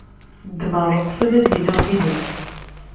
Ddmeɣ leqsed ad d-iniɣ tidet.